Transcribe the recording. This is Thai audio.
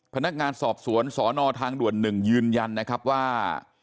พนักงานสอบสวนสนทางด่วน๑ยืนยันนะครับว่า